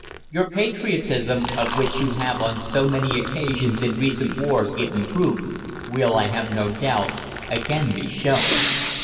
YOUR PATRIOTISM, of which you have on so many occasions in recent wars given proof, will, I have no doubt, again be shown.